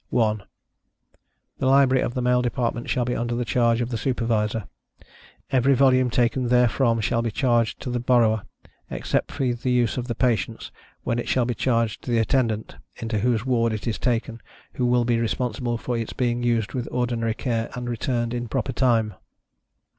1. The Library of the male department shall be under the charge of the Supervisor. Every volume taken therefrom shall be charged to the borrower, except for the use of the patients, when it shall be charged to the Attendant, into whose ward it is taken, who will be responsible for its being used with ordinary care and returned in proper time.